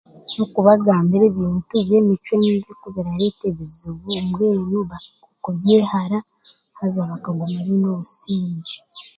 N'okubagambira ebintu by'emicwe mibi kubirareeta ebuzibu mbwenu baka kubyehara haza bakaguma baine obusingye